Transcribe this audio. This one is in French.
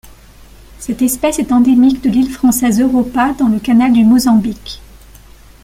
Cette espèce est endémique de l'île française Europa dans le canal du Mozambique.